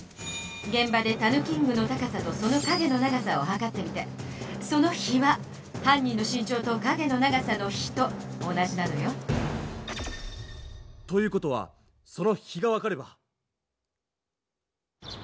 げん場でたぬキングの高さとその影の長さをはかってみてその比は犯人の身長と影の長さの比と同じなのよ。という事はその比が分かれば。